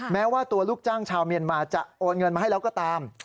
แม้ว่าตัวลูกจ้างชาวเมียนมาจะโอนเงินมาให้แล้วก็ตาม